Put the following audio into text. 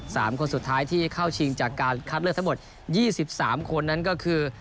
สามคนสุดท้ายที่เข้าชิงจากการคัดเลือกทั้งหมดยี่สิบสามคนนั้นก็คือ